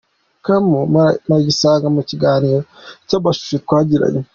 com muragisanga mu kiganiro cy'amashusho twagiranye.